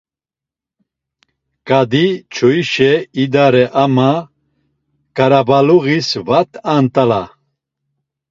Ǩadiçoişe idare ama ǩarabaluğis vat ant̆ala.